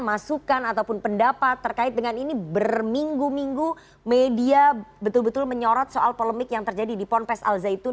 masukan ataupun pendapat terkait dengan ini berminggu minggu media betul betul menyorot soal polemik yang terjadi di ponpes al zaitun